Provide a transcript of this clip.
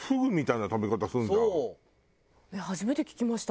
初めて聞きました。